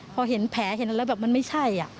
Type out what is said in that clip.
พอเห็นแผลเห็นแล้วแบบมันไม่ใช่อ่ะ